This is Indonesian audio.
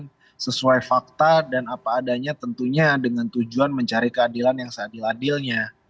yang sesuai fakta dan apa adanya tentunya dengan tujuan mencari keadilan yang seadil adilnya